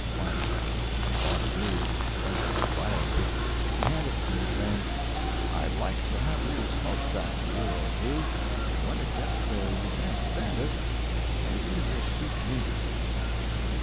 Once when he had bought a new, expensive briar root, he handed it to me, saying: "I'd like to have you smoke that a year or two, and when it gets so you can't stand it, maybe it will suit me."